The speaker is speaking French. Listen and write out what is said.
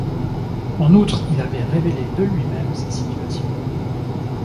En outre, il avait révélé de lui-même sa situation.